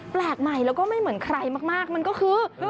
แปลกใหม่แล้วก็ไม่เหมือนใครมากมันก็คือ